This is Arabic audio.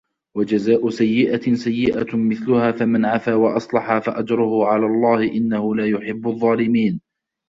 وَجَزاءُ سَيِّئَةٍ سَيِّئَةٌ مِثلُها فَمَن عَفا وَأَصلَحَ فَأَجرُهُ عَلَى اللَّهِ إِنَّهُ لا يُحِبُّ الظّالِمينَ